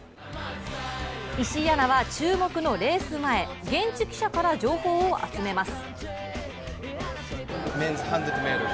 石井アナは注目のレース前現地記者から情報を集めます。